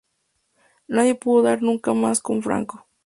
Nadie pudo dar nunca más con Franco.